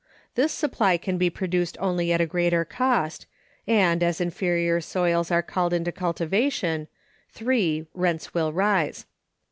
This supply can be produced only at a greater cost, and, as inferior soils are called into cultivation (3), rents will rise.